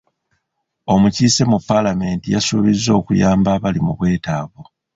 Omukiise mu paalamenti yasuubiza okuyamba abali mu bwetaavu.